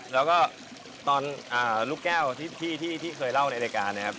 แล้วก็ตอนลูกแก้วที่เคยเล่าในรายการนะครับ